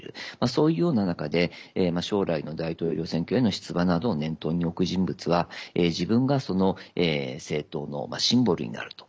そういうような中で将来の大統領選挙への出馬などを念頭に置く人物は、自分がその政党のシンボルになると。